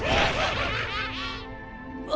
あ！！